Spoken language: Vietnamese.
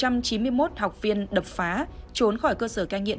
một trăm chín mươi một học viên đập phá trốn khỏi cơ sở cai nghiện